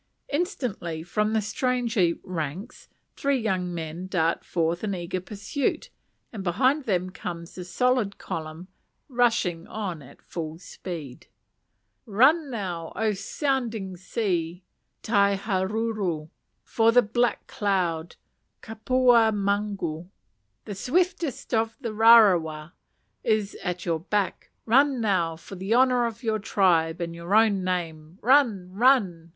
Instantly, from the stranger ranks, three young men dart forth in eager pursuit; and behind them comes the solid column, rushing on at full speed. Run now, O "Sounding Sea," (Tai Haruru), for the "Black Cloud" (Kapua Mangu), the swiftest of the Rarawa, is at your back: run now, for the honour of your tribe and your own name, run! run!